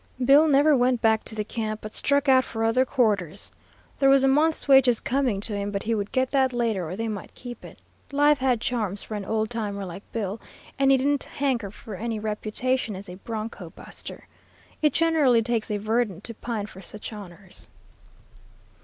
Bill never went back to the camp, but struck out for other quarters. There was a month's wages coming to him, but he would get that later or they might keep it. Life had charms for an old timer like Bill, and he didn't hanker for any reputation as a broncho buster. It generally takes a verdant to pine for such honors.